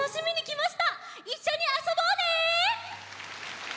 いっしょにあそぼうね！